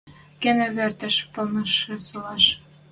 Кенӓ выртеш палнышы солаш.